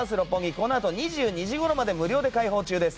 このあと２２時ごろまで無料で開放中です。